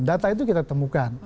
data itu kita temukan